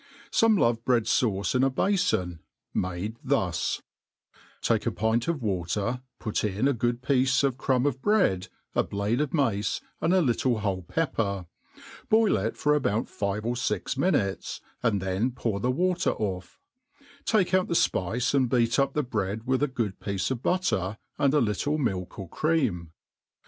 Some love bread*faufce' in a bafoh; made tbUs: take a pint of water, put in a good piece of crumb of bread,' a blade of mace, arid a little whole pepper \ boil it for about five ; or fix mitiutes, and then pour the water oiF: take out the fpice, and beat up the bread with a good piece of butter, and a little milk or cream.